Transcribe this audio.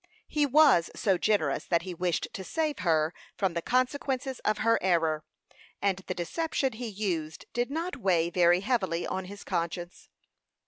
He was so generous that he wished to save her from the consequences of her error, and the deception he used did not weigh very heavily on his conscience.